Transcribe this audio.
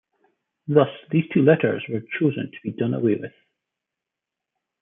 Thus these two letters were chosen to be done away with.